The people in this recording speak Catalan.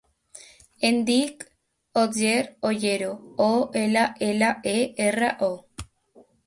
Em dic Otger Ollero: o, ela, ela, e, erra, o.